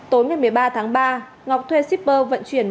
tối ngày một mươi ba tháng ba ngọc thuê shipper vận chuyển